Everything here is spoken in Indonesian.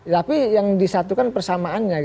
tapi yang disatukan persamaan